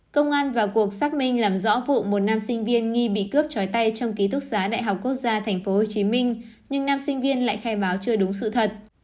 công an vào cuộc xác minh làm rõ vụ một nam sinh viên nghi bị cướp chói tay trong ký túc xá đại học quốc gia tp hcm nhưng nam sinh viên lại khai báo chưa đúng sự thật